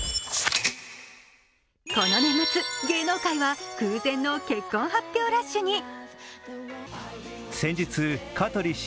この年末、芸能界は空前の結婚発表ラッシュに。